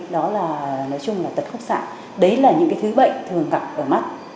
đó là nói chung là tật khúc xạ đấy là những cái thứ bệnh thường gặp ở mắt